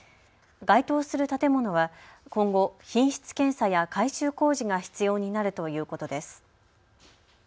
該当する建物は今後、品質検査や改修工事が必要になるということです。